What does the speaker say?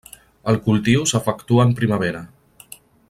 El cultiu s'efectua en primavera.